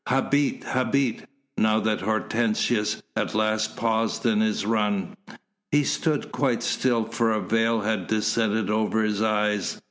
"Habet! Habet!" now that Hortensius at last paused in his run. He stood quite still for a veil had descended over his eyes.